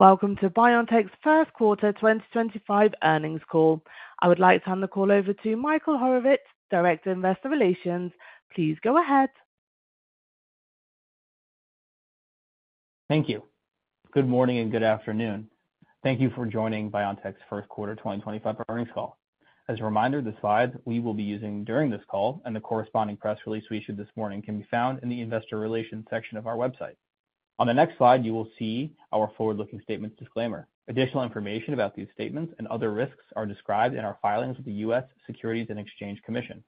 Welcome to BioNTech's first quarter 2025 earnings call. I would like to hand the call over to Michael Horowitz, Director of Investor Relations. Please go ahead. Thank you. Good morning and good afternoon. Thank you for joining BioNTech's first quarter 2025 earnings call. As a reminder, the slides we will be using during this call and the corresponding press release we issued this morning can be found in the Investor Relations section of our website. On the next slide, you will see our forward-looking statements disclaimer. Additional information about these statements and other risks are described in our filings with the U.S. Securities and Exchange Commission.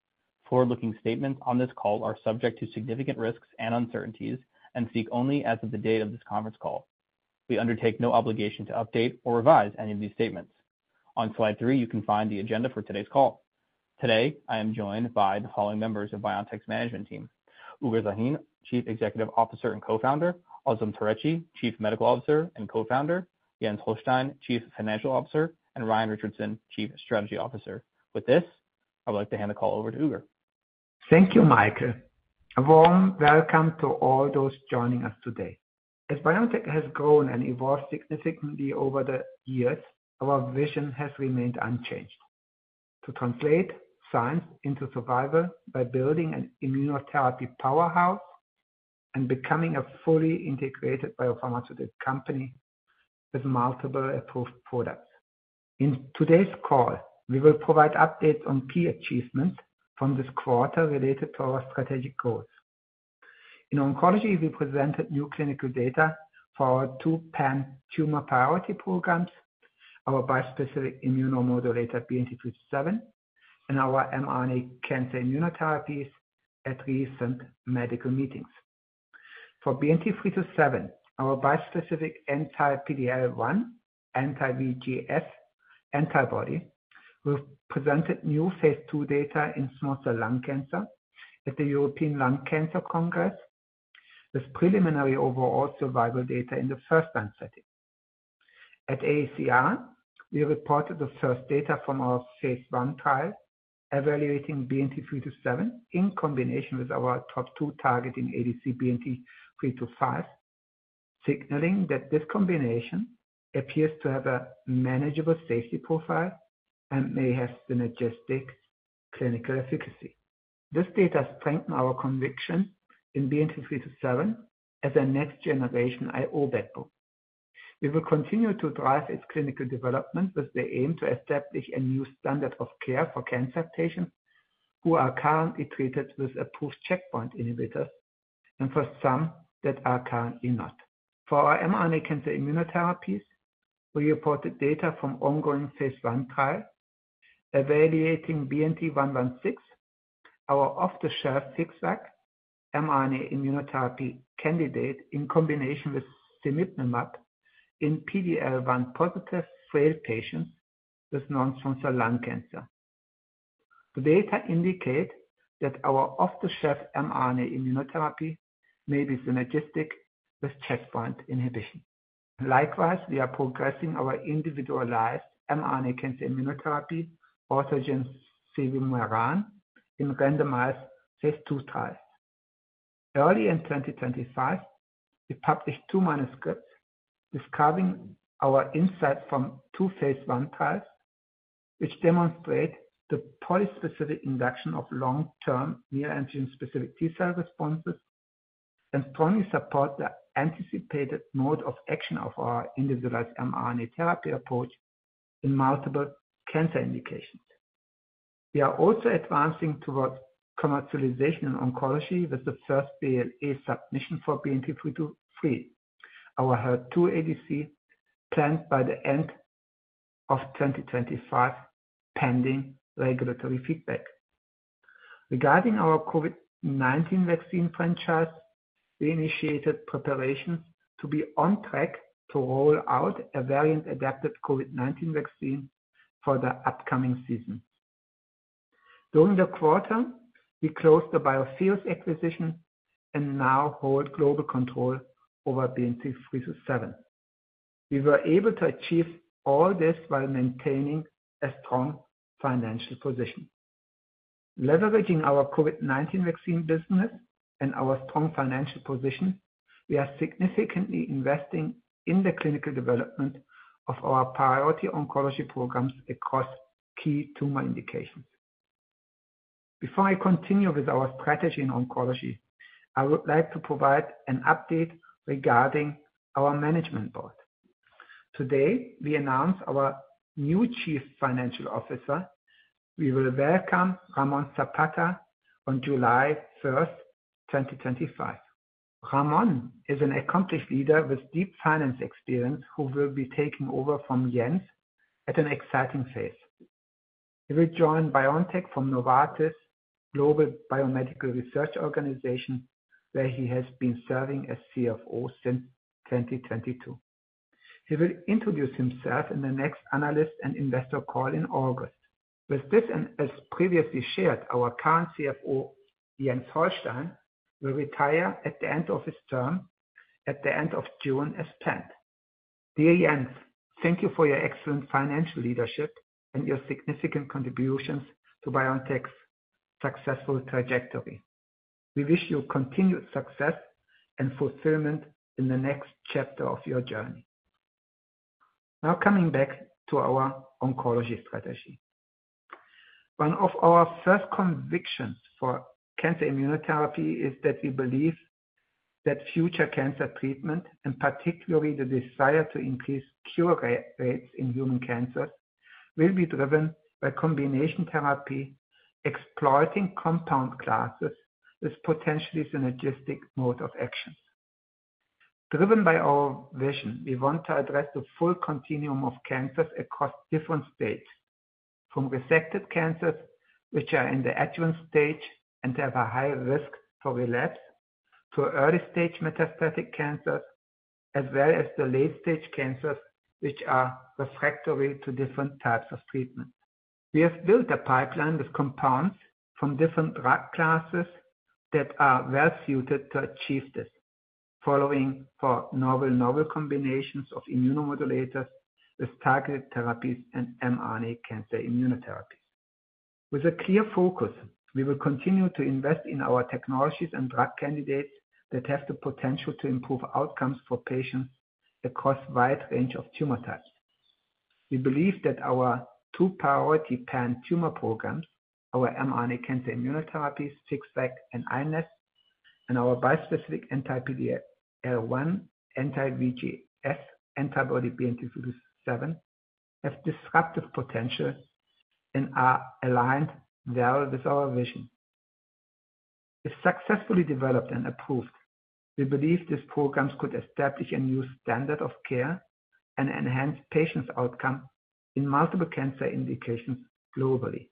Forward-looking statements on this call are subject to significant risks and uncertainties and seek only, as of the date of this conference call, to be undertaken without obligation to update or revise any of these statements. On slide three, you can find the agenda for today's call. Today, I am joined by the following members of BioNTech's management team: Ugur Sahin, Chief Executive Officer and Co-founder; Özlem Türeci, Chief Medical Officer and Co-founder; Jens Holstein, Chief Financial Officer; and Ryan Richardson, Chief Strategy Officer. With this, I would like to hand the call over to Ugur. Thank you, Michael. Warm welcome to all those joining us today. As BioNTech has grown and evolved significantly over the years, our vision has remained unchanged: to translate science into survival by building an immunotherapy powerhouse and becoming a fully integrated biopharmaceutical company with multiple approved products. In today's call, we will provide updates on key achievements from this quarter related to our strategic goals. In oncology, we presented new clinical data for our two pan-tumor priority programs, our bispecific immunomodulator BNT327 and our mRNA cancer immunotherapies at recent medical meetings. For BNT327, our bispecific anti-PD-L1 anti-VEGF-A antibody presented new Phase II data in small cell lung cancer at the European Lung Cancer Congress, with preliminary overall survival data in the first-line setting. At AACR, we reported the first data from our Phase I trial evaluating BNT323 in combination with our top two targeting ADC, BNT325, signaling that this combination appears to have a manageable safety profile and may have synergistic clinical efficacy. This data strengthened our conviction in BNT323 as a next-generation IO battery. We will continue to drive its clinical development with the aim to establish a new standard of care for cancer patients who are currently treated with approved checkpoint inhibitors and for some that are currently not. For our mRNA cancer immunotherapies, we reported data from ongoing Phase I trials evaluating BNT116, our off-the-shelf mRNA immunotherapy candidate in combination with cemiplimab in PD-L1 positive frail patients with non-small cell lung cancer. The data indicate that our off-the-shelf mRNA immunotherapy may be synergistic with checkpoint inhibition. Likewise, we are progressing our individualized mRNA cancer immunotherapy, autogene cevumeran, in randomized Phase II trials. Early in 2025, we published two manuscripts describing our insights from two Phase I trials, which demonstrate the polyspecific induction of long-term neoantigen-specific T-cell responses and strongly support the anticipated mode of action of our individualized mRNA therapy approach in multiple cancer indications. We are also advancing towards commercialization in oncology with the first BLA submission for BNT323, our HER2-targeted ADC, planned by the end of 2025, pending regulatory feedback. Regarding our COVID-19 vaccine franchise, we initiated preparations to be on track to roll out a variant-adapted COVID-19 vaccine for the upcoming season. During the quarter, we closed the BioNTech acquisition and now hold global control over BNT327. We were able to achieve all this while maintaining a strong financial position. Leveraging our COVID-19 vaccine business and our strong financial position, we are significantly investing in the clinical development of our priority oncology programs across key tumor indications. Before I continue with our strategy in oncology, I would like to provide an update regarding our management board. Today, we announced our new Chief Financial Officer. We will welcome Ramón Zapata on July 1, 2025. Ramón is an accomplished leader with deep finance experience who will be taking over from Jens at an exciting phase. He will join BioNTech from Novartis Global Biomedical Research Organization, where he has been serving as CFO since 2022. He will introduce himself in the next analyst and investor call in August. With this, and as previously shared, our current CFO, Jens Holstein, will retire at the end of his term at the end of June as planned. Dear Jens, thank you for your excellent financial leadership and your significant contributions to BioNTech's successful trajectory. We wish you continued success and fulfillment in the next chapter of your journey. Now, coming back to our oncology strategy, one of our first convictions for cancer immunotherapy is that we believe that future cancer treatment, and particularly the desire to increase cure rates in human cancers, will be driven by combination therapy exploiting compound classes with potentially synergistic modes of action. Driven by our vision, we want to address the full continuum of cancers across different states, from resected cancers, which are in the adjuvant stage and have a high risk for relapse, to early-stage metastatic cancers, as well as the late-stage cancers, which are refractory to different types of treatment. We have built a pipeline with compounds from different drug classes that are well-suited to achieve this, following four novel-novel combinations of immunomodulators with targeted therapies and mRNA cancer immunotherapies. With a clear focus, we will continue to invest in our technologies and drug candidates that have the potential to improve outcomes for patients across a wide range of tumor types. We believe that our two priority pan-tumor programs, our mRNA cancer immunotherapies, FixVac and iNeST, and our bispecific anti-PD-L1 anti-VEGF antibody BNT327, have disruptive potential and are aligned well with our vision. If successfully developed and approved, we believe these programs could establish a new standard of care and enhance patients' outcomes in multiple cancer indications globally.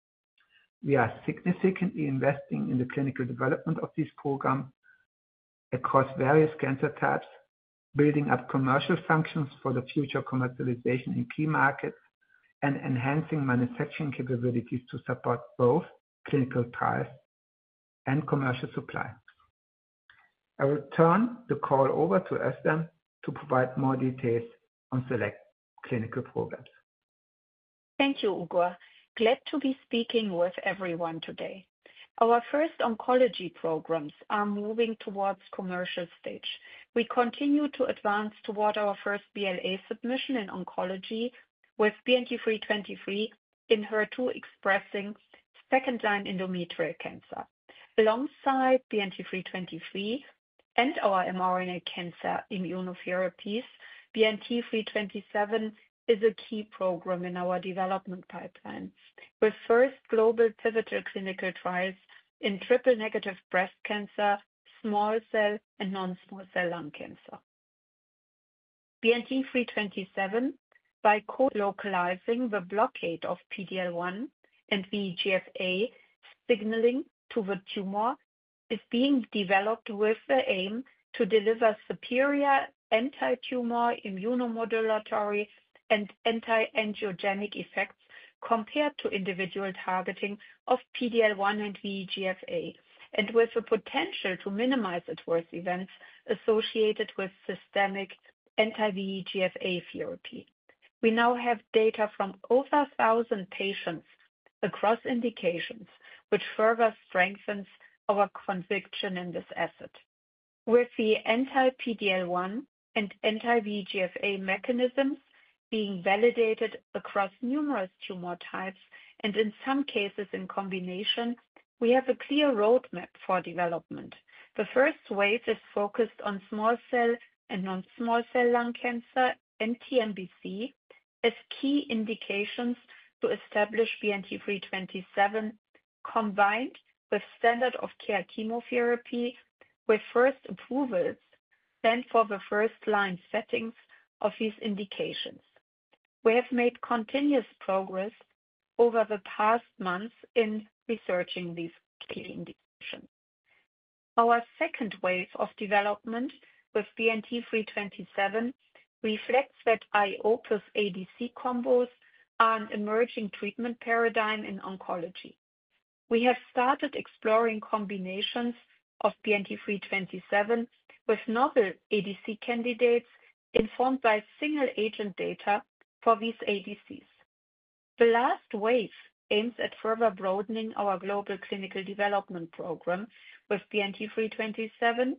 We are significantly investing in the clinical development of these programs across various cancer types, building up commercial functions for the future commercialization in key markets, and enhancing manufacturing capabilities to support both clinical trials and commercial supply. I will turn the call over to Özlem to provide more details on select clinical programs. Thank you, Ugur. Glad to be speaking with everyone today. Our first oncology programs are moving towards the commercial stage. We continue to advance toward our first BLA submission in oncology with BNT323 in HER2 expressing second-line endometrial cancer. Alongside BNT323 and our mRNA cancer immunotherapies, BNT327 is a key program in our development pipeline, with first global pivotal clinical trials in triple-negative breast cancer, small cell, and non-small cell lung cancer. BNT327, by localizing the blockade of PD-L1 and VEGF-A signaling to the tumor, is being developed with the aim to deliver superior anti-tumor immunomodulatory and anti-angiogenic effects compared to individual targeting of PD-L1 and VEGF-A, and with the potential to minimize adverse events associated with systemic anti-VEGF-A therapy. We now have data from over 1,000 patients across indications, which further strengthens our conviction in this asset. With the anti-PD-L1 and anti-VEGF-A mechanisms being validated across numerous tumor types and in some cases in combination, we have a clear roadmap for development. The first wave is focused on small cell and non-small cell lung cancer and TNBC as key indications to establish BNT327, combined with standard-of-care chemotherapy, with first approvals sent for the first-line settings of these indications. We have made continuous progress over the past months in researching these key indications. Our second wave of development with BNT327 reflects that IO plus ADC combos are an emerging treatment paradigm in oncology. We have started exploring combinations of BNT327 with novel ADC candidates informed by single-agent data for these ADCs. The last wave aims at further broadening our global clinical development program with BNT327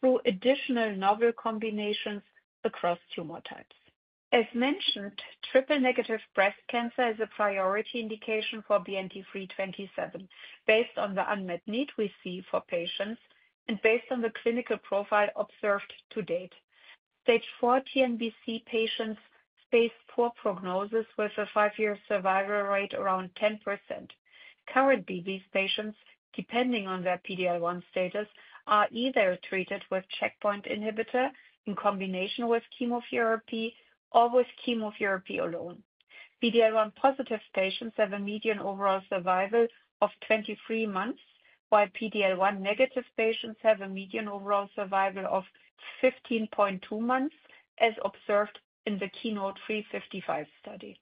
through additional novel combinations across tumor types. As mentioned, triple-negative breast cancer is a priority indication for BNT327, based on the unmet need we see for patients and based on the clinical profile observed to date. Stage IV TNBC patients face poor prognosis with a five-year survival rate around 10%. Currently, these patients, depending on their PD-L1 status, are either treated with checkpoint inhibitor in combination with chemotherapy or with chemotherapy alone. PD-L1 positive patients have a median overall survival of 23 months, while PD-L1 negative patients have a median overall survival of 15.2 months, as observed in the KEYNOTE-355 study.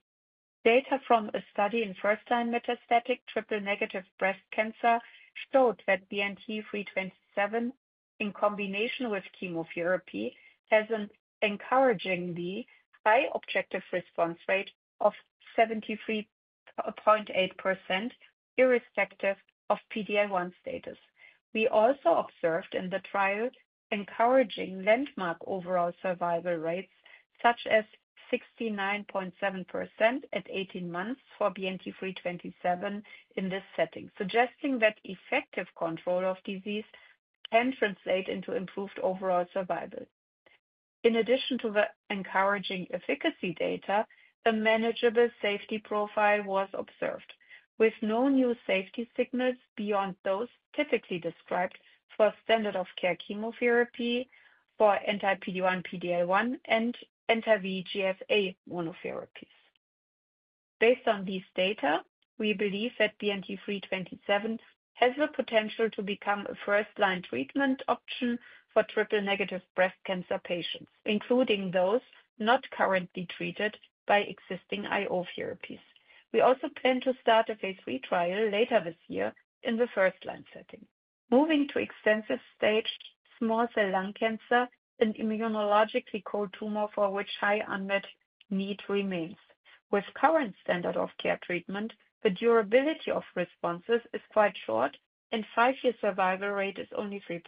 Data from a study in first-line metastatic triple-negative breast cancer showed that BNT327, in combination with chemotherapy, has an encouragingly high objective response rate of 73.8% irrespective of PD-L1 status. We also observed in the trial encouraging landmark overall survival rates such as 69.7% at 18 months for BNT327 in this setting, suggesting that effective control of disease can translate into improved overall survival. In addition to the encouraging efficacy data, a manageable safety profile was observed, with no new safety signals beyond those typically described for standard-of-care chemotherapy, for anti-PD-L1, PD-L1, and anti-VEGF-A monotherapies. Based on these data, we believe that BNT327 has the potential to become a first-line treatment option for triple-negative breast cancer patients, including those not currently treated by existing IO therapies. We also plan to start a Phase III trial later this year in the first-line setting. Moving to extensive stage small cell lung cancer, an immunologically cold tumor for which high unmet need remains. With current standard-of-care treatment, the durability of responses is quite short, and five-year survival rate is only 3%.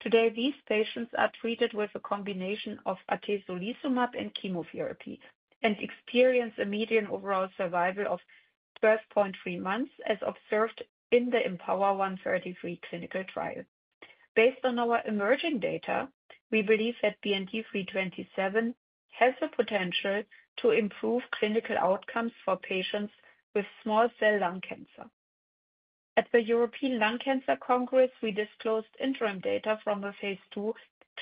Today, these patients are treated with a combination of atezolizumab and chemotherapy and experience a median overall survival of 12.3 months, as observed in the IMpower133 clinical trial. Based on our emerging data, we believe that BNT327 has the potential to improve clinical outcomes for patients with small cell lung cancer. At the European Lung Cancer Congress, we disclosed interim data from a Phase II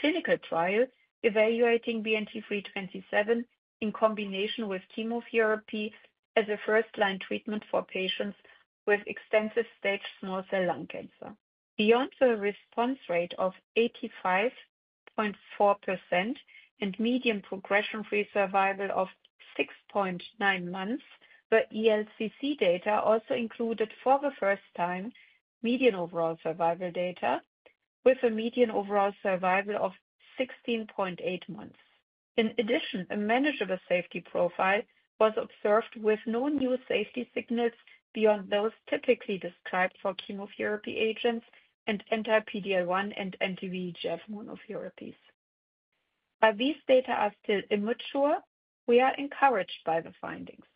clinical trial evaluating BNT327 in combination with chemotherapy as a first-line treatment for patients with extensive stage small cell lung cancer. Beyond the response rate of 85.4% and median progression-free survival of 6.9 months, the ELCC data also included for the first time median overall survival data with a median overall survival of 16.8 months. In addition, a manageable safety profile was observed with no new safety signals beyond those typically described for chemotherapy agents and anti-PD-L1 and anti-VEGF monotherapies. While these data are still immature, we are encouraged by the findings.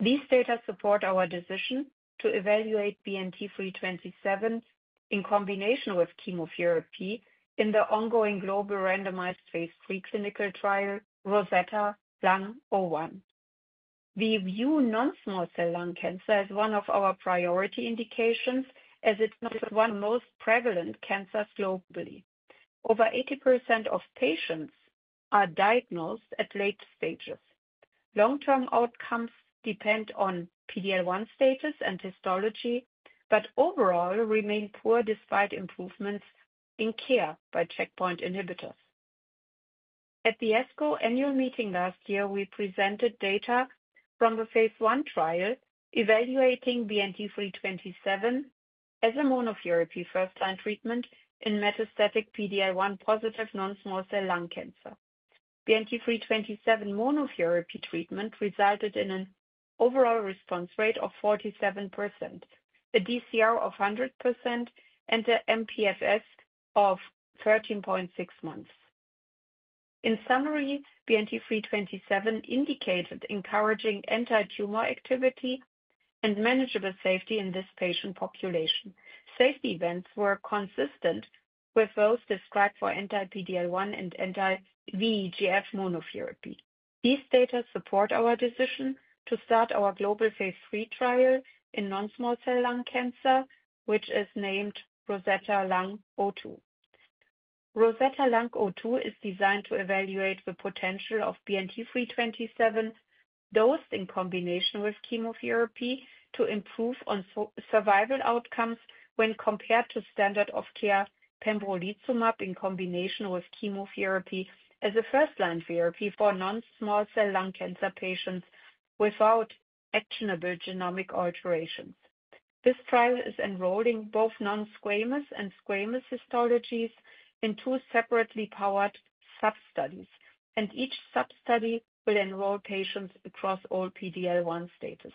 These data support our decision to evaluate BNT327 in combination with chemotherapy in the ongoing global randomized Phase III clinical trial, Rosetta Lung 01. We view non-small cell lung cancer as one of our priority indications, as it is one of the most prevalent cancers globally. Over 80% of patients are diagnosed at late stages. Long-term outcomes depend on PD-L1 status and histology, but overall remain poor despite improvements in care by checkpoint inhibitors. At the ASCO annual meeting last year, we presented data from the Phase I trial evaluating BNT327 as a monotherapy first-line treatment in metastatic PD-L1 positive non-small cell lung cancer. BNT327 monotherapy treatment resulted in an overall response rate of 47%, a DCR of 100%, and an mPFS of 13.6 months. In summary, BNT327 indicated encouraging anti-tumor activity and manageable safety in this patient population. Safety events were consistent with those described for anti-PD-L1 and anti-VEGF monotherapy. These data support our decision to start our global Phase III trial in non-small cell lung cancer, which is named Rosetta Lung 02. Rosetta Lung 02 is designed to evaluate the potential of BNT327 dosed in combination with chemotherapy to improve survival outcomes when compared to standard-of-care pembrolizumab in combination with chemotherapy as a first-line therapy for non-small cell lung cancer patients without actionable genomic alterations. This trial is enrolling both non-squamous and squamous histologies in two separately powered sub-studies, and each sub-study will enroll patients across all PD-L1 status.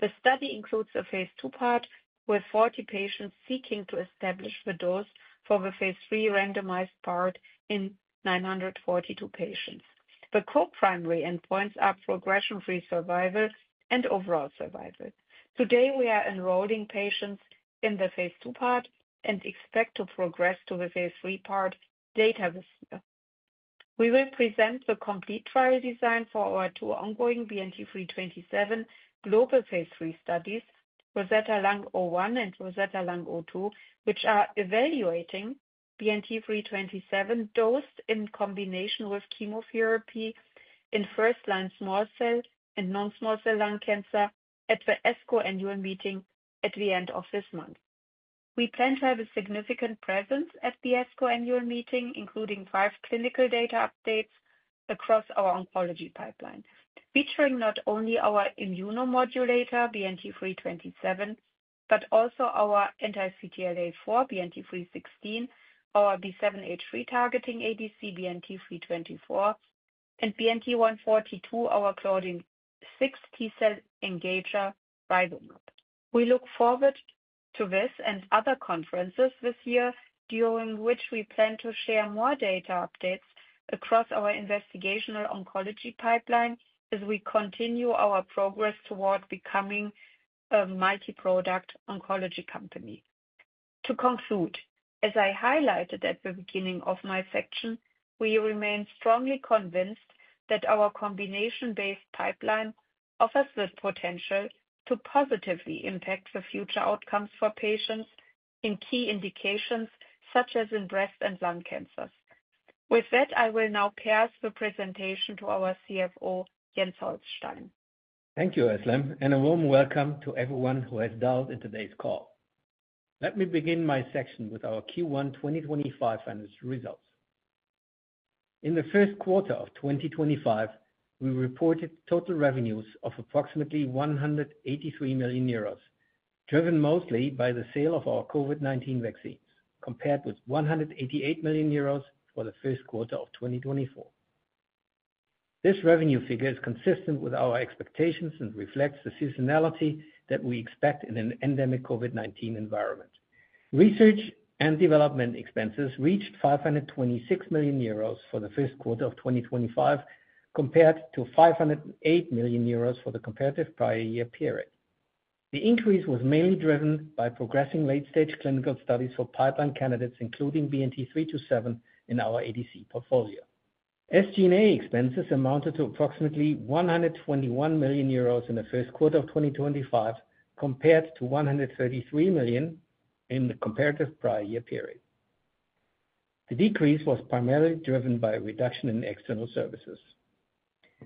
The study includes a Phase II part with 40 patients seeking to establish the dose for the Phase III randomized part in 942 patients. The co-primary endpoints are progression-free survival and overall survival. Today, we are enrolling patients in the Phase II part and expect to progress to the Phase III part later this year. We will present the complete trial design for our two ongoing BNT327 global Phase III studies, Rosetta Lung O1 and Rosetta Lung 02, which are evaluating BNT327 dosed in combination with chemotherapy in first-line small cell and non-small cell lung cancer at the ASCO annual meeting at the end of this month. We plan to have a significant presence at the ASCO annual meeting, including five clinical data updates across our oncology pipeline, featuring not only our immunomodulator BNT327, but also our anti-CTLA-4 BNT316, our B7-H3 targeting ADC BNT324, and BNT142, our Claudin-6 T-cell engager RiboMab. We look forward to this and other conferences this year, during which we plan to share more data updates across our investigational oncology pipeline as we continue our progress toward becoming a multi-product oncology company. To conclude, as I highlighted at the beginning of my section, we remain strongly convinced that our combination-based pipeline offers the potential to positively impact the future outcomes for patients in key indications such as in breast and lung cancers. With that, I will now pass the presentation to our CFO, Jens Holstein. Thank you, Özlem, and a warm welcome to everyone who has dialed in today's call. Let me begin my section with our Q1 2025 financial results. In the first quarter of 2025, we reported total revenues of approximately 183 million euros, driven mostly by the sale of our COVID-19 vaccines, compared with 188 million euros for the first quarter of 2024. This revenue figure is consistent with our expectations and reflects the seasonality that we expect in an endemic COVID-19 environment. Research and development expenses reached 526 million euros for the first quarter of 2025, compared to 508 million euros for the comparative prior year period. The increase was mainly driven by progressing late-stage clinical studies for pipeline candidates, including BNT327 in our ADC portfolio. SG&A expenses amounted to approximately 121 million euros in the first quarter of 2025, compared to 133 million in the comparative prior year period. The decrease was primarily driven by a reduction in external services.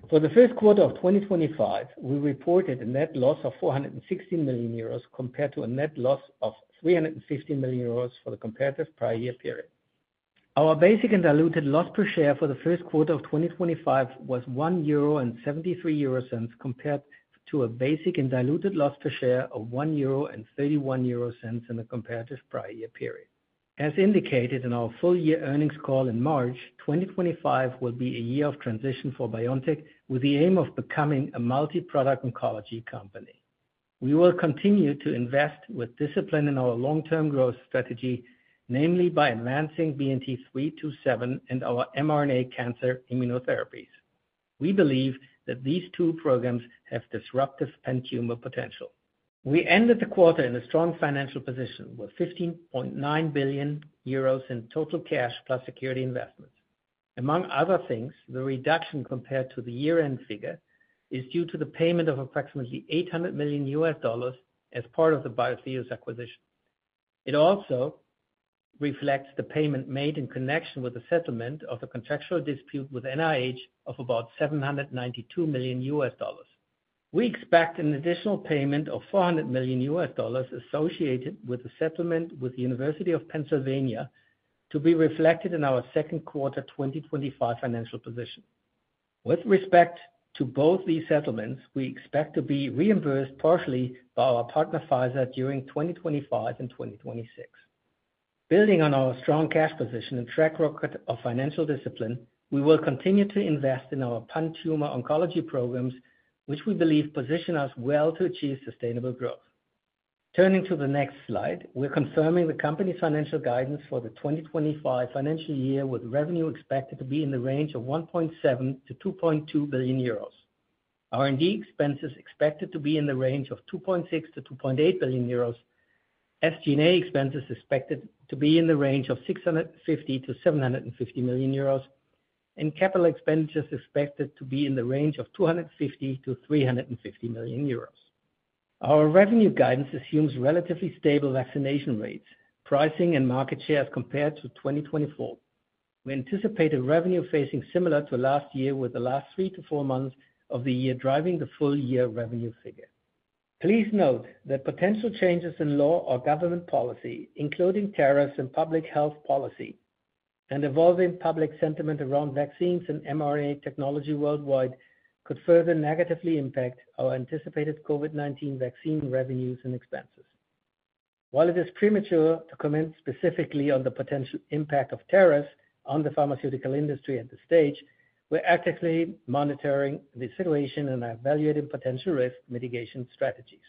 For the first quarter of 2025, we reported a net loss of 460 million euros compared to a net loss of 350 million euros for the comparative prior year period. Our basic and diluted loss per share for the first quarter of 2025 was 1.73 euro compared to a basic and diluted loss per share of 1.31 euro in the comparative prior year period. As indicated in our full-year earnings call in March, 2025 will be a year of transition for BioNTech, with the aim of becoming a multi-product oncology company. We will continue to invest with discipline in our long-term growth strategy, namely by advancing BNT327 and our mRNA cancer immunotherapies. We believe that these two programs have disruptive and cure potential. We ended the quarter in a strong financial position with 15.9 billion euros in total cash plus security investments. Among other things, the reduction compared to the year-end figure is due to the payment of approximately EUR 800 million as part of the Biotheus acquisition. It also reflects the payment made in connection with the settlement of the contractual dispute with NIH of about EUR 792 million. We expect an additional payment of EUR 400 million associated with the settlement with the University of Pennsylvania to be reflected in our second quarter 2025 financial position. With respect to both these settlements, we expect to be reimbursed partially by our partner Pfizer during 2025 and 2026. Building on our strong cash position and track record of financial discipline, we will continue to invest in our pan-tumor oncology programs, which we believe position us well to achieve sustainable growth. Turning to the next slide, we're confirming the company's financial guidance for the 2025 financial year, with revenue expected to be in the range of 1.7 billion-2.2 billion euros. R&D expenses expected to be in the range of 2.6 billion-2.8 billion euros. SG&A expenses expected to be in the range of 650 million-750 million euros, and capital expenditures expected to be in the range of 250 million-350 million euros. Our revenue guidance assumes relatively stable vaccination rates, pricing, and market shares compared to 2024. We anticipate a revenue phasing similar to last year, with the last three to four months of the year driving the full-year revenue figure. Please note that potential changes in law or government policy, including tariffs and public health policy, and evolving public sentiment around vaccines and mRNA technology worldwide could further negatively impact our anticipated COVID-19 vaccine revenues and expenses. While it is premature to comment specifically on the potential impact of tariffs on the pharmaceutical industry at this stage, we're actively monitoring the situation and evaluating potential risk mitigation strategies.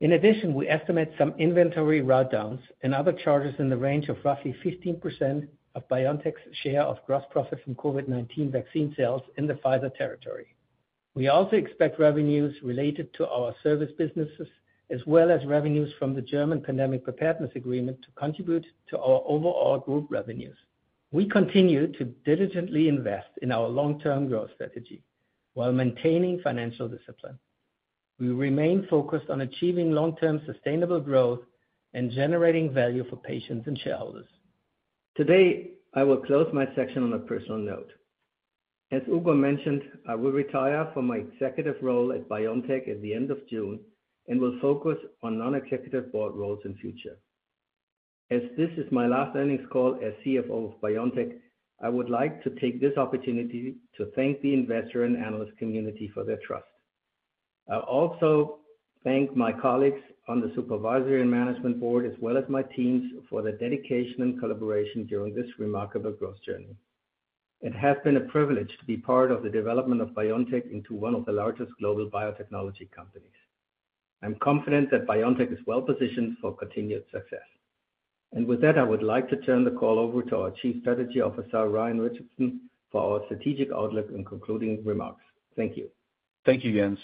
In addition, we estimate some inventory write-downs and other charges in the range of roughly 15% of BioNTech's share of gross profit from COVID-19 vaccine sales in the Pfizer territory. We also expect revenues related to our service businesses, as well as revenues from the German pandemic preparedness agreement, to contribute to our overall group revenues. We continue to diligently invest in our long-term growth strategy while maintaining financial discipline. We remain focused on achieving long-term sustainable growth and generating value for patients and shareholders. Today, I will close my section on a personal note. As Ugur mentioned, I will retire from my executive role at BioNTech at the end of June and will focus on non-executive board roles in the future. As this is my last earnings call as CFO of BioNTech, I would like to take this opportunity to thank the investor and analyst community for their trust. I also thank my colleagues on the supervisory and management board, as well as my teams, for their dedication and collaboration during this remarkable growth journey. It has been a privilege to be part of the development of BioNTech into one of the largest global biotechnology companies. I'm confident that BioNTech is well positioned for continued success. I would like to turn the call over to our Chief Strategy Officer, Ryan Richardson, for our strategic outlook and concluding remarks. Thank you. Thank you, Jens.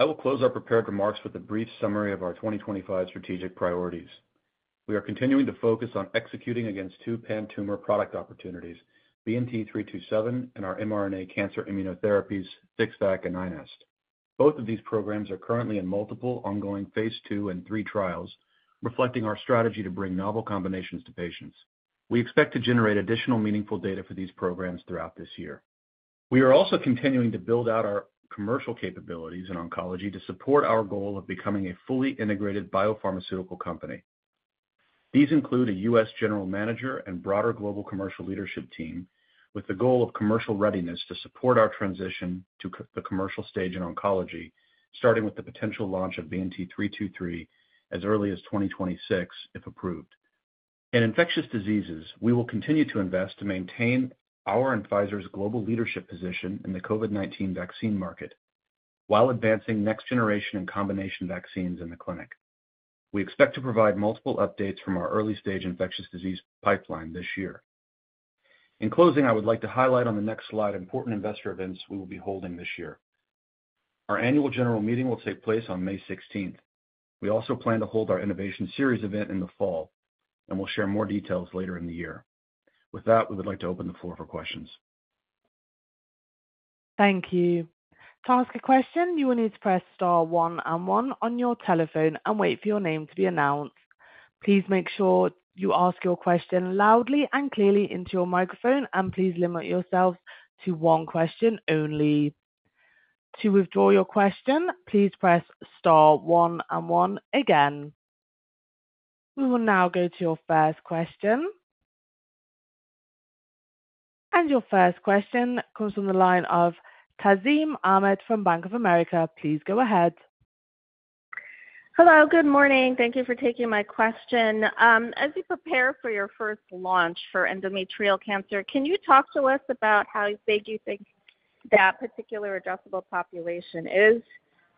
I will close our prepared remarks with a brief summary of our 2025 strategic priorities. We are continuing to focus on executing against two pan-tumor product opportunities, BNT327 and our mRNA cancer immunotherapies, FixVac and iNeST. Both of these programs are currently in multiple ongoing Phase II and III trials, reflecting our strategy to bring novel combinations to patients. We expect to generate additional meaningful data for these programs throughout this year. We are also continuing to build out our commercial capabilities in oncology to support our goal of becoming a fully integrated biopharmaceutical company. These include a U.S. general manager and broader global commercial leadership team, with the goal of commercial readiness to support our transition to the commercial stage in oncology, starting with the potential launch of BNT323 as early as 2026 if approved. In infectious diseases, we will continue to invest to maintain our and Pfizer's global leadership position in the COVID-19 vaccine market while advancing next-generation and combination vaccines in the clinic. We expect to provide multiple updates from our early-stage infectious disease pipeline this year. In closing, I would like to highlight on the next slide important investor events we will be holding this year. Our annual general meeting will take place on May 16th. We also plan to hold our innovation series event in the fall and will share more details later in the year. With that, we would like to open the floor for questions. Thank you. To ask a question, you will need to press star one and one on your telephone and wait for your name to be announced. Please make sure you ask your question loudly and clearly into your microphone, and please limit yourself to one question only. To withdraw your question, please press star one and one again. We will now go to your first question. Your first question comes from the line of Tazeen Ahmad from Bank of America. Please go ahead. Hello. Good morning. Thank you for taking my question. As you prepare for your first launch for endometrial cancer, can you talk to us about how big you think that particular addressable population is?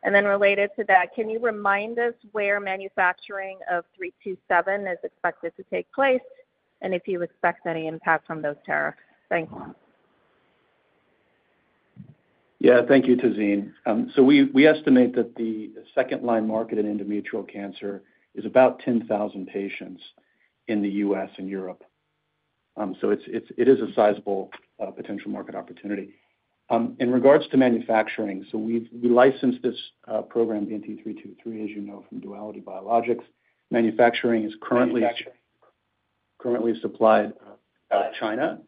Related to that, can you remind us where manufacturing of 327 is expected to take place and if you expect any impact from those tariffs? Thanks. Yeah, thank you, Tazeen. We estimate that the second-line market in endometrial cancer is about 10,000 patients in the U.S. and Europe. It is a sizable potential market opportunity. In regards to manufacturing, we licensed this program, BNT323, as you know, from Duality Biologics. Manufacturing is currently supplied out of China,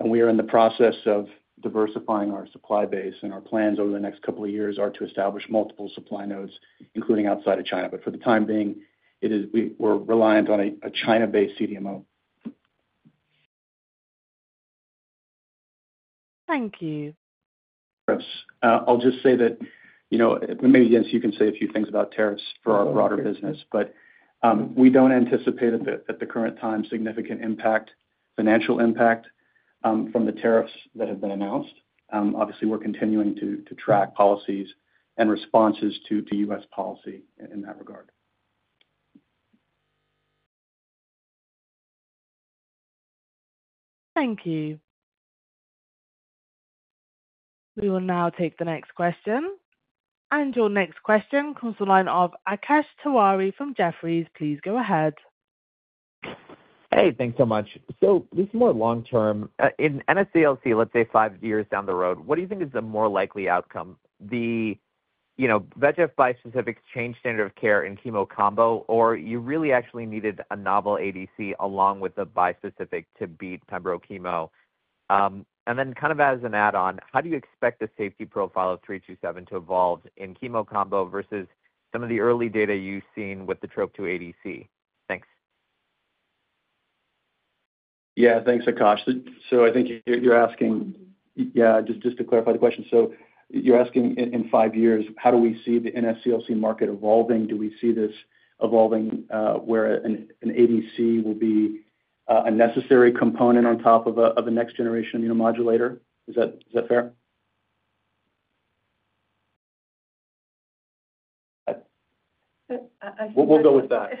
and we are in the process of diversifying our supply base, and our plans over the next couple of years are to establish multiple supply nodes, including outside of China. For the time being, we're reliant on a China-based CDMO. Thank you. Tariffs. I'll just say that, you know, maybe Jens, you can say a few things about tariffs for our broader business, but we don't anticipate at the current time significant impact, financial impact from the tariffs that have been announced. Obviously, we're continuing to track policies and responses to U.S. policy in that regard. Thank you. We will now take the next question. Your next question comes from the line of Akash Tewari from Jefferies. Please go ahead. Hey, thanks so much. This is more long-term. In NSCLC, let's say five years down the road, what do you think is the more likely outcome? The, you know, VEGF bispecific change standard of care in chemo combo, or you really actually needed a novel ADC along with the bispecific to beat pembrolizumab? Kind of as an add-on, how do you expect the safety profile of 327 to evolve in chemo combo versus some of the early data you've seen with the TROP2 ADC? Thanks. Yeah, thanks, Akash. I think you're asking, just to clarify the question. You're asking in five years, how do we see the NSCLC market evolving? Do we see this evolving where an ADC will be a necessary component on top of a next-generation immunomodulator? Is that fair? We'll go with that.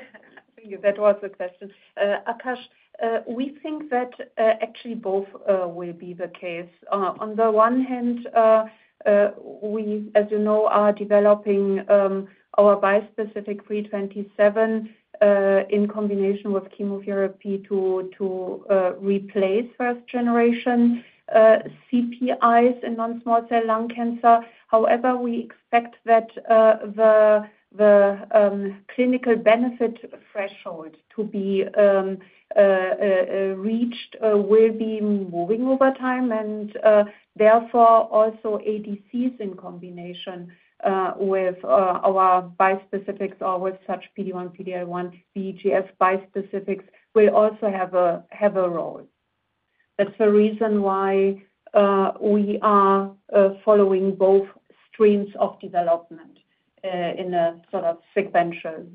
That was the question. Akash, we think that actually both will be the case. On the one hand, we, as you know, are developing our bispecific 327 in combination with chemotherapy to replace first-generation CPIs in non-small cell lung cancer. However, we expect that the clinical benefit threshold to be reached will be moving over time, and therefore also ADCs in combination with our bispecifics or with such PD-1, PD-1, VEGF bispecifics will also have a role. That's the reason why we are following both streams of development in a sort of sequential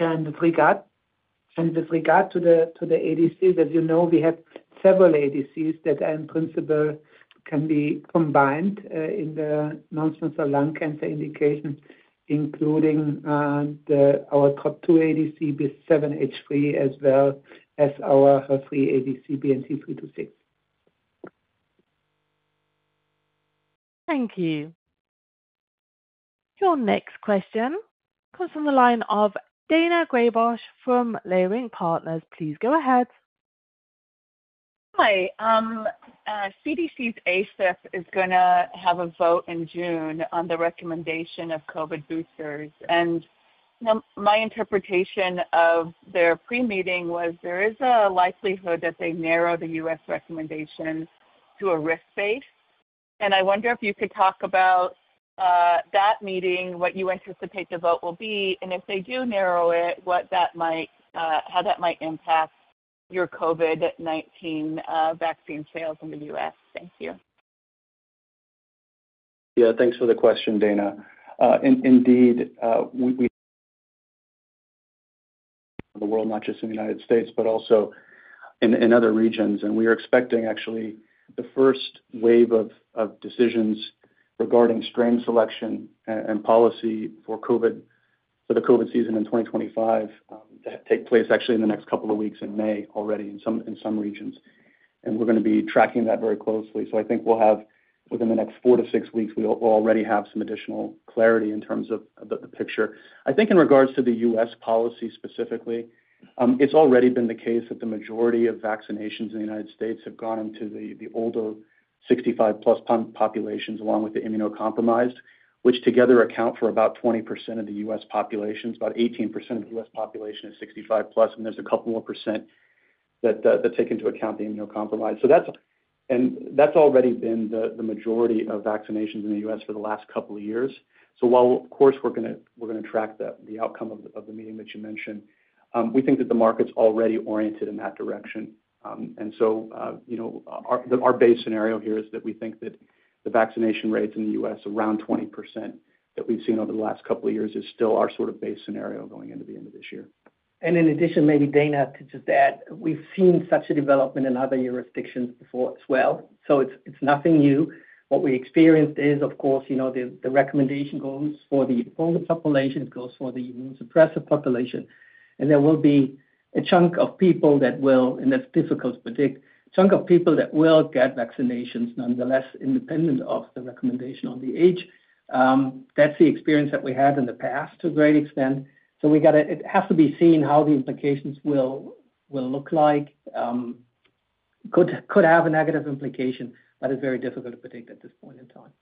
manner. With regard to the ADCs, as you know, we have several ADCs that in principle can be combined in the non-small cell lung cancer indication, including our TROP2 ADC, B7-H3, as well as our HER3 ADC, BNT326. Thank you. Your next question comes from the line of Daina Graybosch from Leerink Partners. Please go ahead. Hi. CDC's ASIP is going to have a vote in June on the recommendation of COVID boosters. My interpretation of their pre-meeting was there is a likelihood that they narrow the U.S. recommendation to a risk base. I wonder if you could talk about that meeting, what you anticipate the vote will be, and if they do narrow it, how that might impact your COVID-19 vaccine sales in the U.S. Thank you. Yeah, thanks for the question, Daina. Indeed, we. The world, not just in the United States, but also in other regions. We are expecting actually the first wave of decisions regarding strain selection and policy for the COVID season in 2025 to take place actually in the next couple of weeks in May already in some regions. We are going to be tracking that very closely. I think we will have within the next four to six weeks, we will already have some additional clarity in terms of the picture. I think in regards to the U.S. policy specifically, it has already been the case that the majority of vaccinations in the United States have gone into the older 65-plus populations, along with the immunocompromised, which together account for about 20% of the U.S. population. About 18% of the U.S. population is 65-plus, and there's a couple more percent that take into account the immunocompromised. That's already been the majority of vaccinations in the U.S. for the last couple of years. While, of course, we're going to track the outcome of the meeting that you mentioned, we think that the market's already oriented in that direction. You know, our base scenario here is that we think that the vaccination rates in the U.S., around 20% that we've seen over the last couple of years, is still our sort of base scenario going into the end of this year. In addition, maybe Daina, to just add, we've seen such a development in other jurisdictions before as well. It is nothing new. What we experienced is, of course, you know, the recommendation goes for the vulnerable population, it goes for the immunosuppressive population. There will be a chunk of people that will, and that is difficult to predict, a chunk of people that will get vaccinations nonetheless, independent of the recommendation on the age. That is the experience that we had in the past to a great extent. We have to see how the implications will look like. It could have a negative implication, but it is very difficult to predict at this point in time.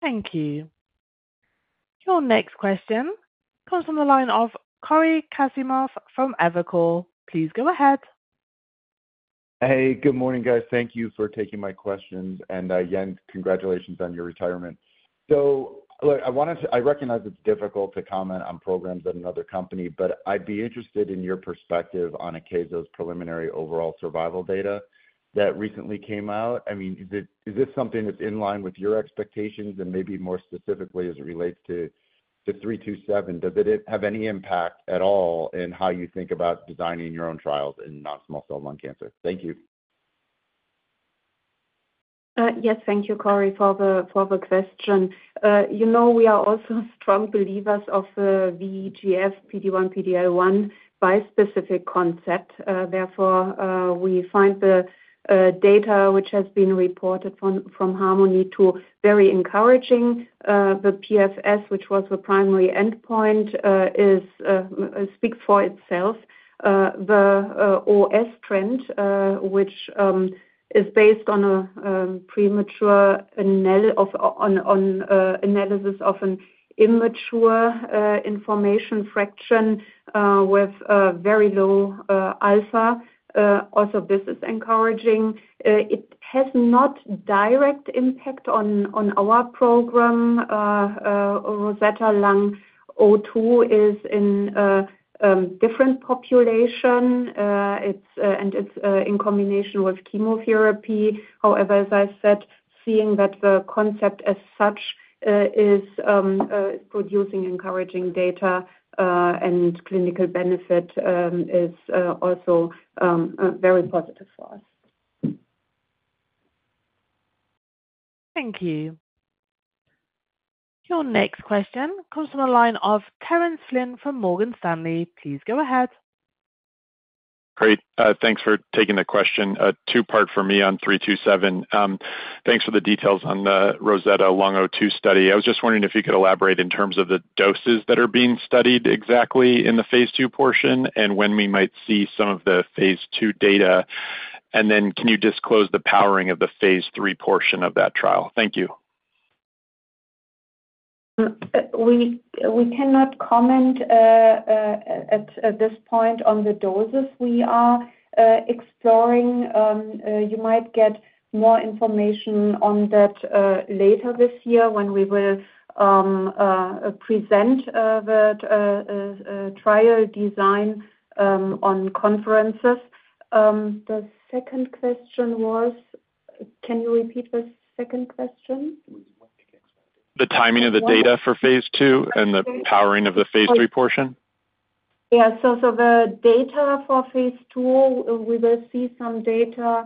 Thank you. Your next question comes from the line of Cory Kasimov from Evercore. Please go ahead. Hey, good morning, guys. Thank you for taking my questions. Jens, congratulations on your retirement. I recognize it's difficult to comment on programs at another company, but I'd be interested in your perspective on Akeso's preliminary overall survival data that recently came out. I mean, is this something that's in line with your expectations? Maybe more specifically, as it relates to 327, does it have any impact at all in how you think about designing your own trials in non-small cell lung cancer? Thank you. Yes, thank you, Cory, for the question. You know, we are also strong believers of the VEGF, PD-1, PD-1 bispecific concept. Therefore, we find the data which has been reported from Harmony to be very encouraging. The PFS, which was the primary endpoint, speaks for itself. The OS trend, which is based on a premature analysis of an immature information fraction with very low alpha, also this is encouraging. It has not a direct impact on our program. Rosetta Lung 02 is in a different population, and it's in combination with chemotherapy. However, as I said, seeing that the concept as such is producing encouraging data and clinical benefit is also very positive for us. Thank you. Your next question comes from the line of Terence Flynn from Morgan Stanley. Please go ahead. Great. Thanks for taking the question. Two-part for me on 327. Thanks for the details on the Rosetta Lung 02 study. I was just wondering if you could elaborate in terms of the doses that are being studied exactly in the Phase II portion and when we might see some of the Phase II data. Can you disclose the powering of the Phase III portion of that trial? Thank you. We cannot comment at this point on the doses we are exploring. You might get more information on that later this year when we will present the trial design on conferences. The second question was, can you repeat the second question? The timing of the data for Phase II and the powering of the Phase III portion? Yeah. The data for Phase II, we will see some data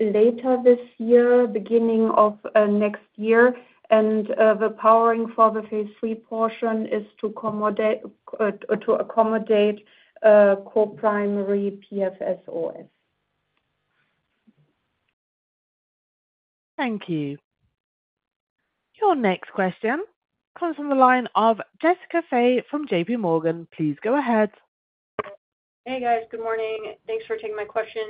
later this year, beginning of next year. The powering for the Phase III portion is to accommodate coprimary PFS OS. Thank you. Your next question comes from the line of Jessica Fye from JP Morgan. Please go ahead. Hey, guys. Good morning. Thanks for taking my question.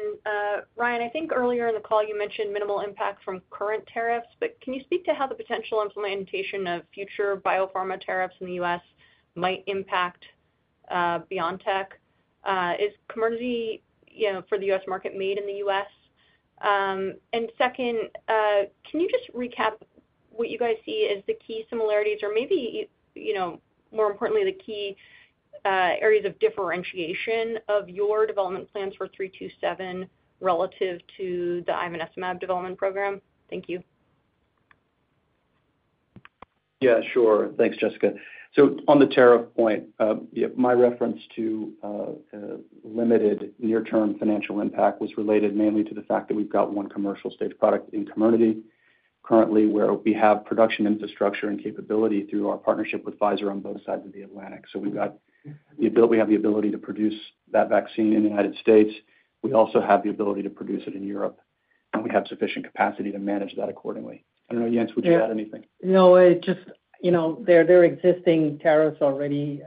Ryan, I think earlier in the call, you mentioned minimal impact from current tariffs, but can you speak to how the potential implementation of future biopharma tariffs in the U.S. might impact BioNTech? Is currency for the U.S. market made in the U.S.? Second, can you just recap what you guys see as the key similarities or maybe, you know, more importantly, the key areas of differentiation of your development plans for 327 relative to the ivonescimab development program? Thank you. Yeah, sure. Thanks, Jessica. On the tariff point, my reference to limited near-term financial impact was related mainly to the fact that we've got one commercial stage product in COMIRNATY currently where we have production infrastructure and capability through our partnership with Pfizer on both sides of the Atlantic. We've got the ability, we have the ability to produce that vaccine in the U.S. We also have the ability to produce it in Europe, and we have sufficient capacity to manage that accordingly. I don't know, Jens, would you add anything? No, it's just, you know, there are existing tariffs already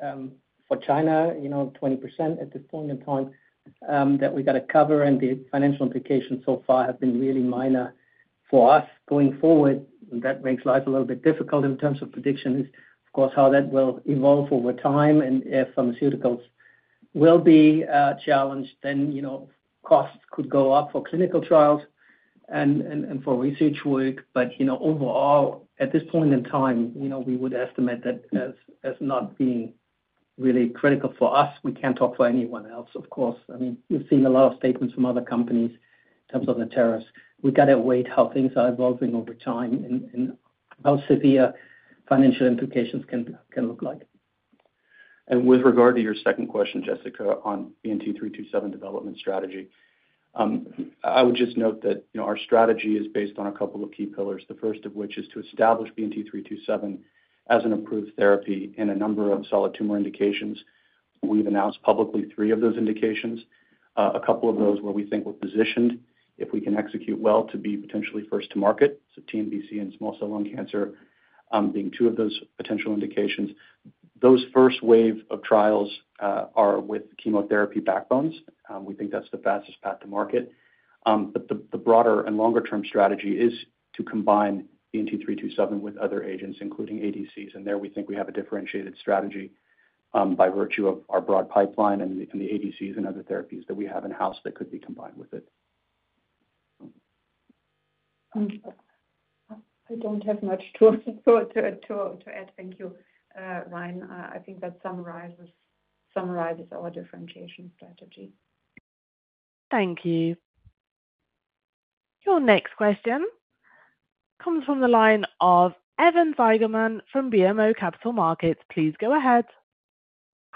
for China, you know, 20% at this point in time that we got to cover, and the financial implications so far have been really minor for us going forward. That makes life a little bit difficult in terms of prediction is, of course, how that will evolve over time. If pharmaceuticals will be challenged, then, you know, costs could go up for clinical trials and for research work. You know, overall, at this point in time, you know, we would estimate that as not being really critical for us, we can't talk for anyone else, of course. I mean, we've seen a lot of statements from other companies in terms of the tariffs. We got to wait how things are evolving over time and how severe financial implications can look like. With regard to your second question, Jessica, on BNT327 development strategy, I would just note that, you know, our strategy is based on a couple of key pillars, the first of which is to establish BNT327 as an approved therapy in a number of solid tumor indications. We have announced publicly three of those indications. A couple of those where we think we are positioned, if we can execute well, to be potentially first to market. TNBC and small cell lung cancer being two of those potential indications. Those first wave of trials are with chemotherapy backbones. We think that is the fastest path to market. The broader and longer-term strategy is to combine BNT327 with other agents, including ADCs. We think we have a differentiated strategy by virtue of our broad pipeline and the ADCs and other therapies that we have in-house that could be combined with it. I don't have much to add. Thank you, Ryan. I think that summarizes our differentiation strategy. Thank you. Your next question comes from the line of Evan Seigerman from BMO Capital Markets. Please go ahead.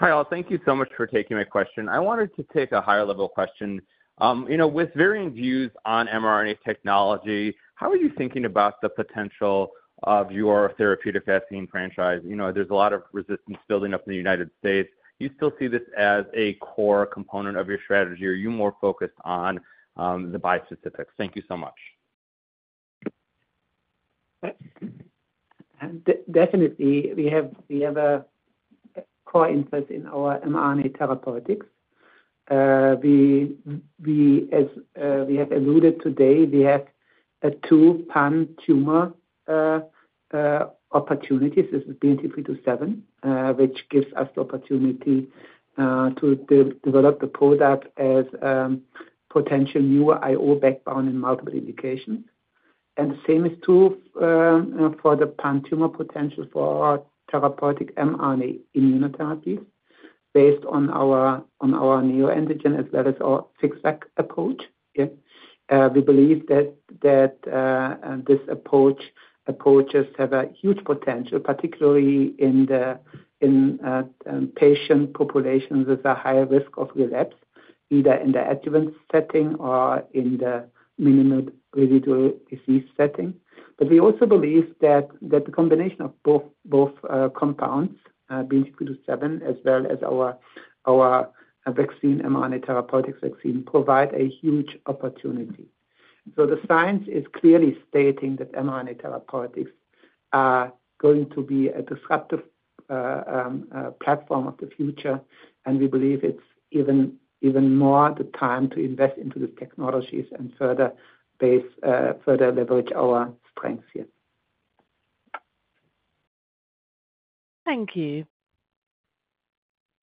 Hi, all. Thank you so much for taking my question. I wanted to take a higher-level question. You know, with varying views on mRNA technology, how are you thinking about the potential of your therapeutic vaccine franchise? You know, there's a lot of resistance building up in the U.S. Do you still see this as a core component of your strategy, or are you more focused on the bispecifics? Thank you so much. Definitely. We have a core interest in our mRNA therapeutics. As we have alluded today, we have two pan-tumor opportunities with BNT327, which gives us the opportunity to develop the product as a potential new IO backbone in multiple indications. The same is true for the pan-tumor potential for therapeutic mRNA immunotherapies based on our neuroantigen as well as our fixed-act approach. We believe that this approach just has a huge potential, particularly in patient populations with a higher risk of relapse, either in the adjuvant setting or in the minimal residual disease setting. We also believe that the combination of both compounds, BNT327 as well as our vaccine, mRNA therapeutic vaccine, provides a huge opportunity. The science is clearly stating that mRNA therapeutics are going to be a disruptive platform of the future, and we believe it's even more the time to invest into these technologies and further leverage our strengths here. Thank you.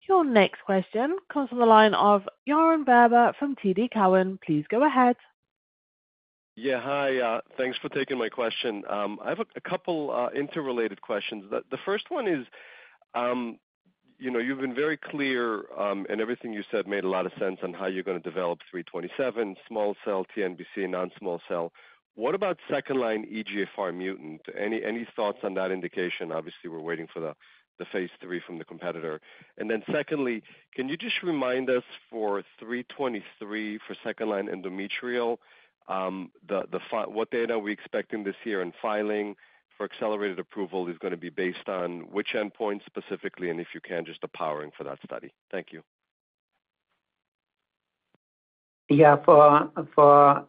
Your next question comes from the line of Yaron Werber from TD Cowen. Please go ahead. Yeah, hi. Thanks for taking my question. I have a couple of interrelated questions. The first one is, you know, you've been very clear, and everything you said made a lot of sense on how you're going to develop 327, small cell, TNBC, non-small cell. What about second-line EGFR mutant? Any thoughts on that indication? Obviously, we're waiting for the Phase III from the competitor. Secondly, can you just remind us for 323 for second-line endometrial, what data are we expecting this year in filing for accelerated approval? It's going to be based on which endpoint specifically? If you can, just the powering for that study. Thank you. Yeah, for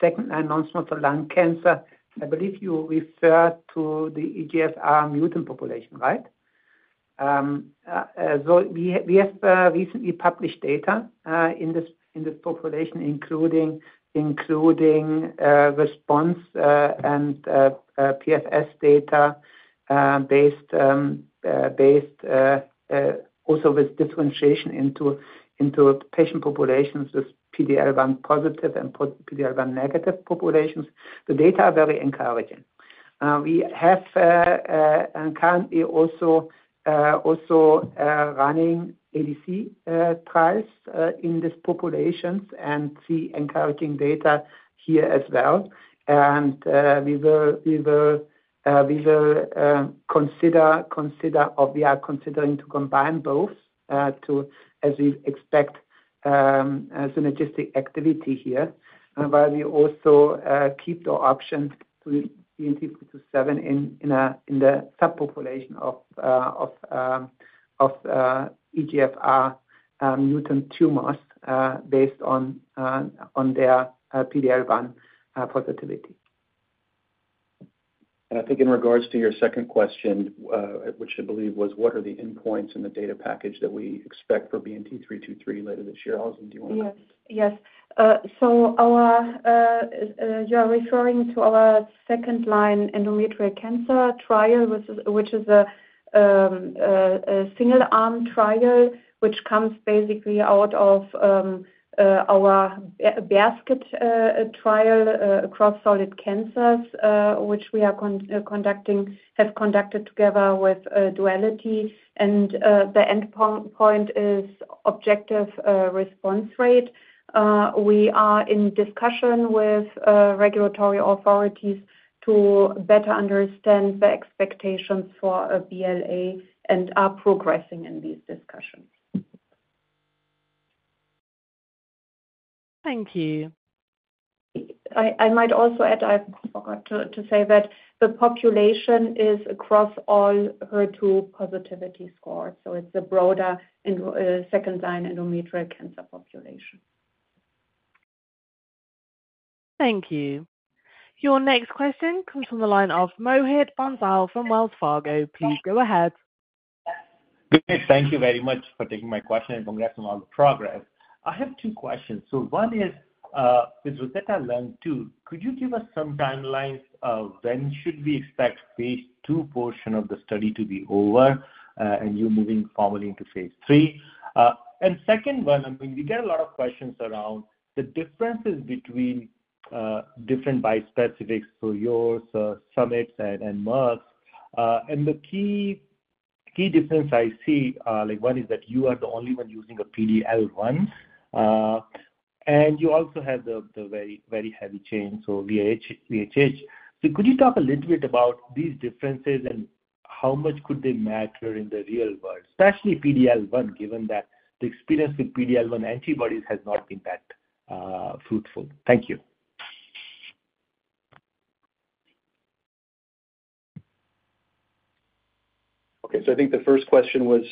second-line non-small cell lung cancer, I believe you refer to the EGFR mutant population, right? We have recently published data in this population, including response and PFS data based also with differentiation into patient populations with PD-L1 positive and PD-L1 negative populations. The data are very encouraging. We have currently also running ADC trials in these populations and see encouraging data here as well. We will consider or we are considering to combine both as we expect synergistic activity here, while we also keep the option to BNT327 in the subpopulation of EGFR mutant tumors based on their PD-L1 positivity. I think in regards to your second question, which I believe was, what are the endpoints in the data package that we expect for BNT323 later this year? Alison, do you want to? Yes. You are referring to our second-line endometrial cancer trial, which is a single-arm trial, which comes basically out of our basket trial across solid cancers, which we have conducted together with Duality. The endpoint is objective response rate. We are in discussion with regulatory authorities to better understand the expectations for BLA and are progressing in these discussions. Thank you. I might also add, I forgot to say that the population is across all HER2 positivity scores. It is a broader second-line endometrial cancer population. Thank you. Your next question comes from the line of Mohit Bansal from Wells Fargo. Please go ahead. Good. Thank you very much for taking my question and congrats on all the progress. I have two questions. One is, with Rosetta Lung 2, could you give us some timelines of when should we expect Phase II portion of the study to be over and you moving formally into Phase III? The second one, I mean, we get a lot of questions around the differences between different bispecifics, so yours, Summit, and Merus. The key difference I see, like one is that you are the only one using a PD-L1, and you also have the very heavy chain, so VHH. Could you talk a little bit about these differences and how much could they matter in the real world, especially PD-L1, given that the experience with PD-L1 antibodies has not been that fruitful? Thank you. Okay. I think the first question was,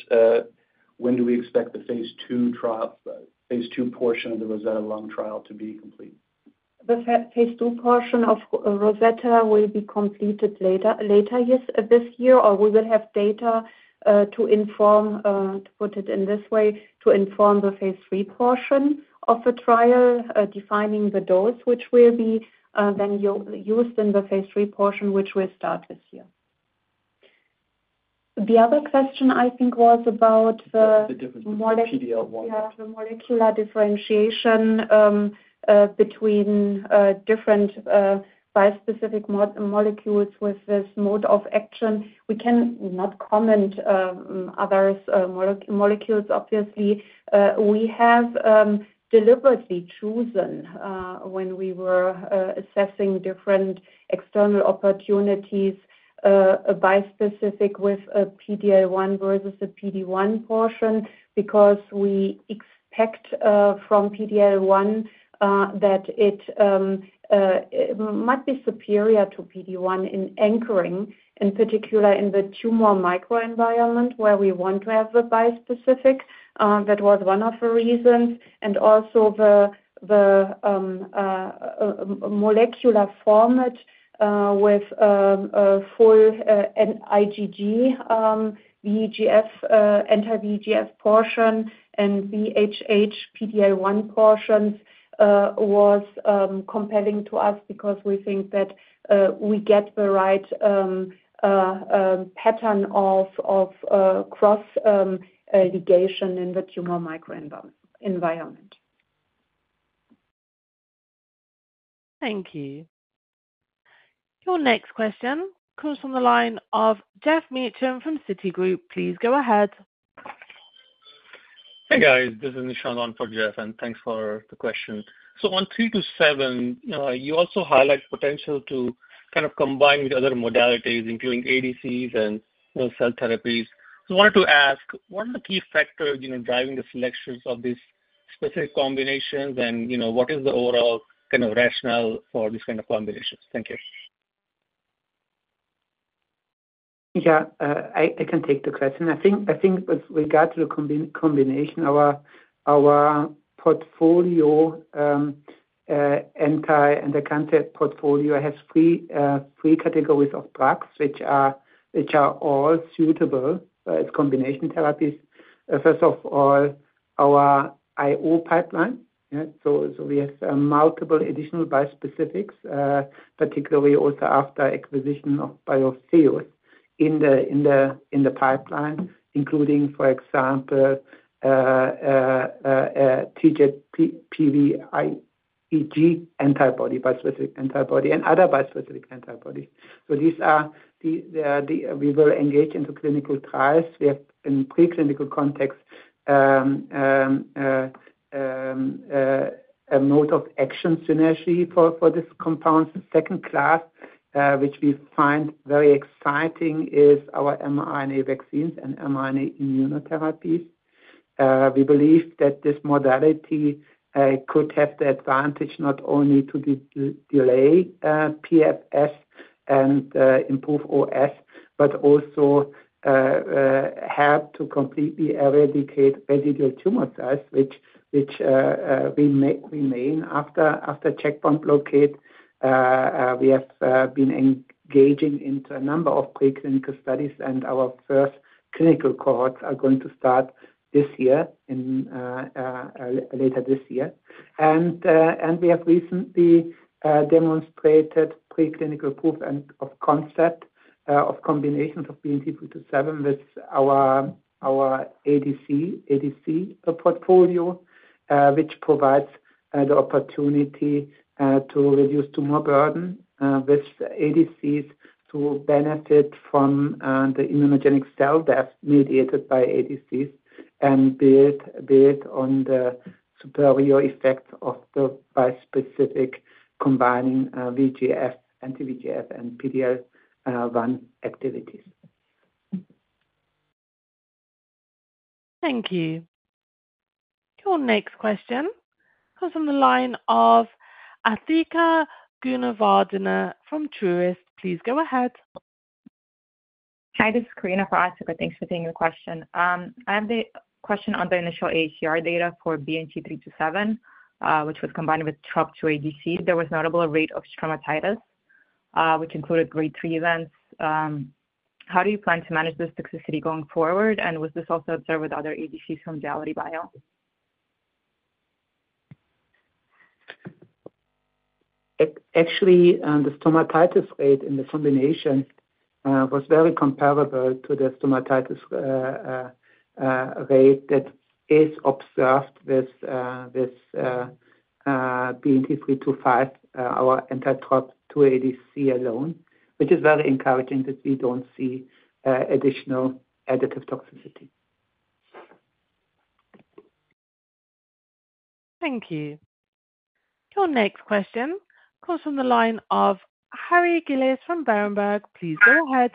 when do we expect the Phase II portion of the Rosetta Lung trial to be complete? The Phase II portion of Rosetta will be completed later this year, or we will have data to inform, to put it in this way, to inform the Phase III portion of the trial, defining the dose which will be then used in the Phase III portion, which will start this year. The other question I think was about the PD-L1. The difference between PD-L1. Yeah, the molecular differentiation between different bispecific molecules with this mode of action. We cannot comment on other molecules, obviously. We have deliberately chosen when we were assessing different external opportunities, a bispecific with a PD-L1 versus a PD-1 portion, because we expect from PD-L1 that it might be superior to PD-1 in anchoring, in particular in the tumor microenvironment where we want to have the bispecific. That was one of the reasons. Also, the molecular format with full IgG, VEGF, anti-VEGF portion, and VHH, PD-L1 portions was compelling to us because we think that we get the right pattern of cross-ligation in the tumor microenvironment. Thank you. Your next question comes from the line of Jeff Meacham from Citigroup. Please go ahead. Hey, guys. This is Nishant on for Jeff, and thanks for the question. On 327, you also highlight potential to kind of combine with other modalities, including ADCs and cell therapies. I wanted to ask, what are the key factors driving the selections of these specific combinations, and what is the overall kind of rationale for these kind of combinations? Thank you. Yeah, I can take the question. I think we got to the combination. Our portfolio, anti-anti-cancer portfolio, has three categories of drugs which are all suitable as combination therapies. First of all, our IO pipeline. We have multiple additional bispecifics, particularly also after acquisition of BioNTech in the pipeline, including, for example, TIGIT? antibody, bispecific antibody, and other bispecific antibodies. These are we will engage into clinical trials. We have in preclinical context a mode of action synergy for these compounds. The second class, which we find very exciting, is our mRNA vaccines and mRNA immunotherapies. We believe that this modality could have the advantage not only to delay PFS and improve OS, but also help to completely eradicate residual tumor cells, which remain after checkpoint blockade. We have been engaging into a number of preclinical studies, and our first clinical cohorts are going to start this year, later this year. We have recently demonstrated preclinical proof of concept of combinations of BNT327 with our ADC portfolio, which provides the opportunity to reduce tumor burden with ADCs to benefit from the immunogenic cell death mediated by ADCs and build on the superior effect of the bispecific combining VEGF, anti-VEGF, and PD-L1 activities. Thank you. Your next question comes from the line of Asthika Goonewardene from Truist. Please go ahead. Hi, this is Karina Farah at Sicklepoin. Thanks for taking the question. I have the question on the initial AACR data for BNT327, which was combined with TROP2 ADC. There was notable rate of stomatitis, which included grade 3 events. How do you plan to manage this toxicity going forward? Was this also observed with other ADCs from Duality Biologics? Actually, the stomatitis rate in the combination was very comparable to the stomatitis rate that is observed with BNT325, our anti-TROP2 ADC alone, which is very encouraging that we don't see additional additive toxicity. Thank you. Your next question comes from the line of Harry Gillis from Berenberg. Please go ahead.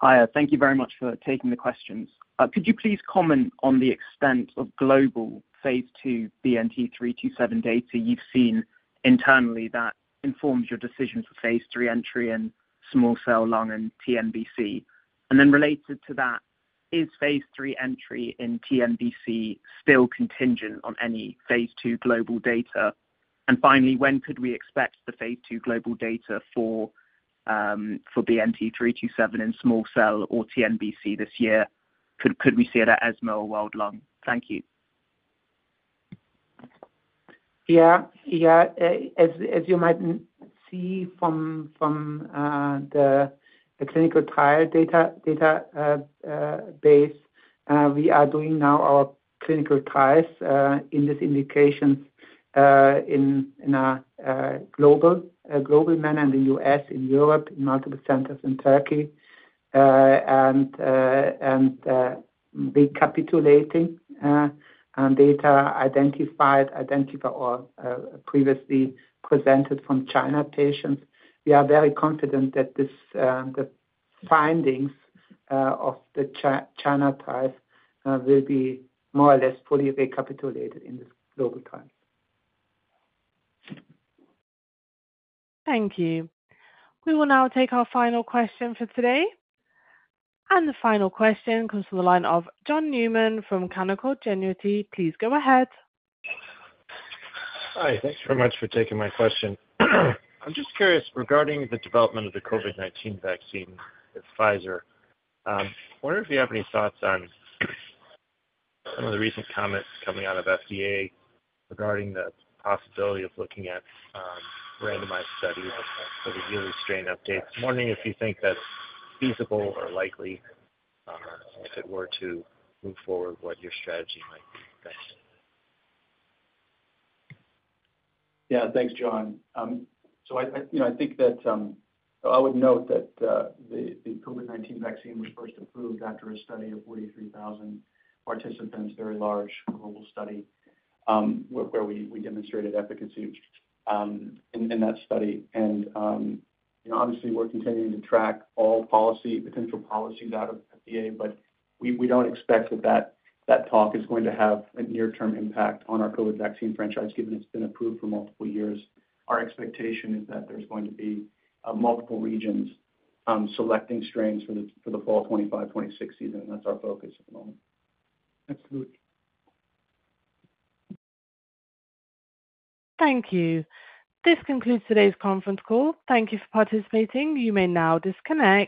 Hi, thank you very much for taking the questions. Could you please comment on the extent of global Phase II BNT327 data you've seen internally that informs your decision for Phase III entry in small cell lung and TNBC? Related to that, is Phase III entry in TNBC still contingent on any Phase II global data? Finally, when could we expect the Phase II global data for BNT327 in small cell or TNBC this year? Could we see it at ESMO or World Lung? Thank you. Yeah, yeah. As you might see from the clinical trial database, we are doing now our clinical trials in these indications in a global manner in the U.S., in Europe, in multiple centers in Turkey, and recapitulating data identified or previously presented from China patients. We are very confident that the findings of the China trials will be more or less fully recapitulated in these global trials. Thank you. We will now take our final question for today. The final question comes from the line of John Newman from Canaccord Genuity. Please go ahead. Hi, thanks very much for taking my question. I'm just curious regarding the development of the COVID-19 vaccine with Pfizer. I wonder if you have any thoughts on some of the recent comments coming out of FDA regarding the possibility of looking at randomized studies for the yearly strain updates. I'm wondering if you think that's feasible or likely if it were to move forward, what your strategy might be. Thanks. Yeah, thanks, John. I think that I would note that the COVID-19 vaccine was first approved after a study of 43,000 participants, a very large global study where we demonstrated efficacy in that study. Obviously, we're continuing to track all potential policies out of FDA, but we don't expect that that talk is going to have a near-term impact on our COVID vaccine franchise given it's been approved for multiple years. Our expectation is that there's going to be multiple regions selecting strains for the fall 2025-2026 season. That's our focus at the moment. Absolutely. Thank you. This concludes today's conference call. Thank you for participating. You may now disconnect.